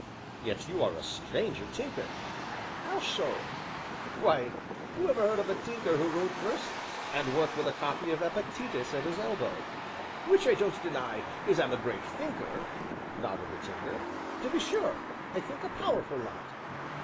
"Yet you are a stranger tinker." "How so?" "Why, who ever heard of a tinker who wrote verses, and worked with a copy of Epictetus at his elbow?" "Which I don't deny as I'm a great thinker," nodded the Tinker; "to be sure, I think a powerful lot."